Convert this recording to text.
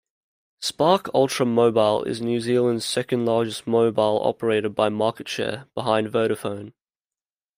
Spark Ultra Mobile is New Zealand's second-largest mobile operator by market-share, behind Vodafone.